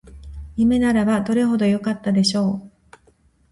夢ならばどれほどよかったでしょう